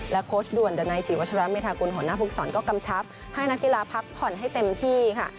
และโค้ชด่วนแต่ในศรีวชรัพย์มิถาคุณหัวหน้าภูกษรก็กำชับให้นักกีฬาพักผ่อนให้เต็มที่ค่ะ